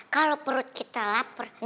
kalau perut kita lapar